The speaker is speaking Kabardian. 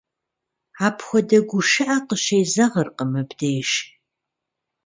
Апхуэдэ гушыӀэ къыщезэгъыркъым мыбдеж.